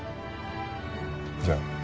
じゃあ。